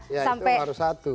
ya itu baru satu